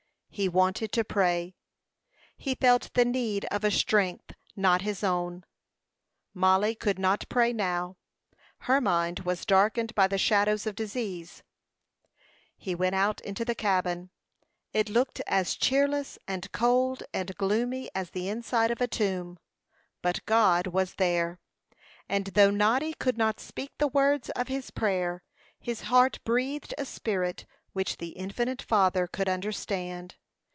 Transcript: He wanted to pray. He felt the need of a strength not his own. Mollie could not pray now. Her mind was darkened by the shadows of disease. He went out into the cabin. It looked as cheerless, and cold, and gloomy, as the inside of a tomb. But God was there; and though Noddy could not speak the words of his prayer, his heart breathed a spirit which the infinite Father could understand.